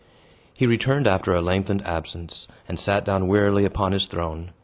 He returned after a lengthened absence, and sat down wearily upon his throne.